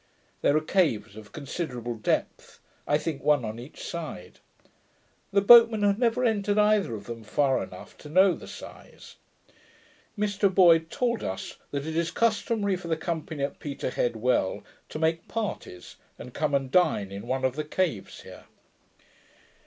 There are caves of considerable depth; I think, one on each side. The boatmen had never entered either of them far enough to know the size. Mr Boyd told us that it is customary for the company at Peterhead well, to make parties, and come and dine in one of the caves here.